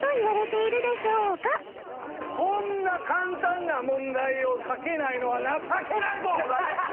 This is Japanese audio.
こんな簡単な問題を書けないのは情けないぞ！